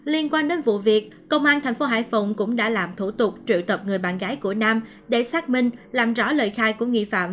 liên quan đến vụ việc công an thành phố hải phòng cũng đã làm thủ tục triệu tập người bạn gái của nam